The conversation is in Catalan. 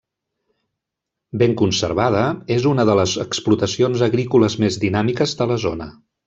Ben conservada, és una de les explotacions agrícoles més dinàmiques de la zona.